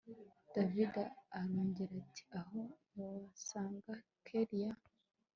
david arongera ati aho ntiwasanga kellia